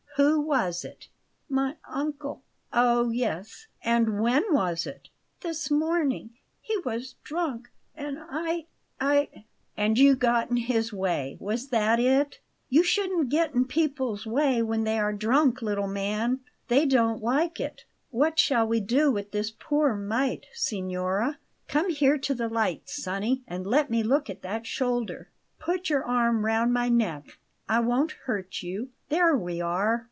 Who was it?" "My uncle." "Ah, yes! And when was it?" "This morning. He was drunk, and I I " "And you got in his way was that it? You shouldn't get in people's way when they are drunk, little man; they don't like it. What shall we do with this poor mite, signora? Come here to the light, sonny, and let me look at that shoulder. Put your arm round my neck; I won't hurt you. There we are!"